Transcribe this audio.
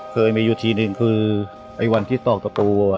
เคยมีอยู่ทีหนึ่งคือไอวันที่ตอกตะโกอ่ะ